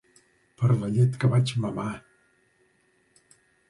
Per la llet que vaig mamar!